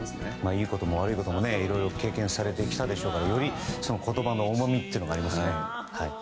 いいことも悪いこともいろいろ経験されてきたでしょうからより言葉の重みがありますね。